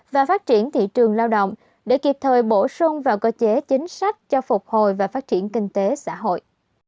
và phát triển thị trường lao động để kịp thời bổ sung vào cơ chế chính sách cho phục hồi và phát triển kinh tế xã hội